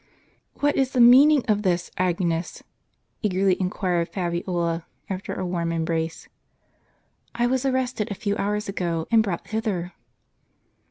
"What is the meaning of this, Agnes?" eagerly inquired Fabiola, after a warm embrace. " I was arrested a few hours ago, and brought hither."